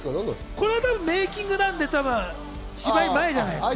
これはメイキングなんで芝居前じゃないですか。